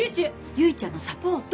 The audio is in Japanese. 唯ちゃんのサポート！